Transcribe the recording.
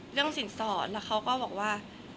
เรื่องสินสอดแล้วเขาก็บอกว่า